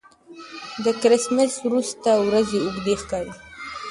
د کرېسمېس وروسته ورځې اوږدې ښکاري.